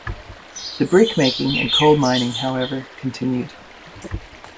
The brick making and coal mining, however, continued.